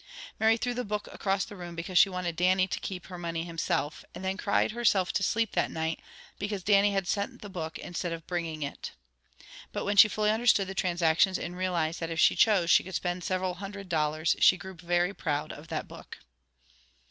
Mary threw the book across the room because she wanted Dannie to keep her money himself, and then cried herself to sleep that night, because Dannie had sent the book instead of bringing it. But when she fully understood the transactions and realized that if she chose she could spend several hundred dollars, she grew very proud of that book.